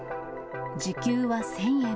時給は１０００円。